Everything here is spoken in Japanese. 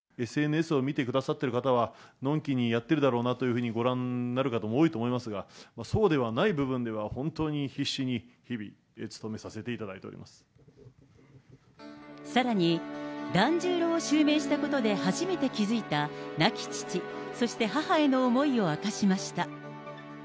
ＳＮＳを見てくださってる方は、のんきにやってるだろうなというふうにご覧になる方も多いかと思いますが、そうではない部分では、本当に必死に、日々、さらに、團十郎を襲名したことで初めて気付いた、亡き父、そして母への思いを明かしました。